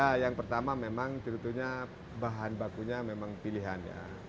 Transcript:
ya yang pertama memang sebetulnya bahan bakunya memang pilihan ya